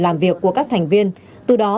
làm việc của các thành viên từ đó